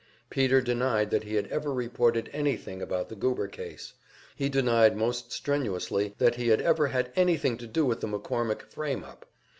Peter denied that he had ever reported anything about the Goober case. He denied most strenuously that he had ever had anything to do with the McCormick "frame up."